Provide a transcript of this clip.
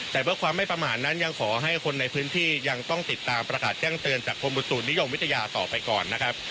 แต่เพื่อความไม่ประมาทนั้นยังขอให้คนในพื้นที่ยังต้องติดตามประกาศแจ้งเตือนจากกรมบุตุนิยมวิทยาต่อไปก่อนนะครับ